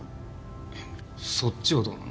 えっそっちはどうなの？